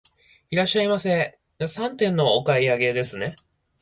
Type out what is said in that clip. いらっしゃいませ、三点のお買い上げですね。